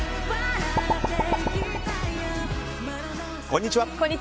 こんにちは。